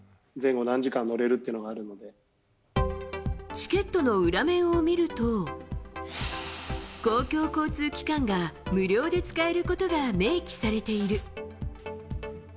チケットの裏面を見ると公共交通機関が無料で使えることが明記されている。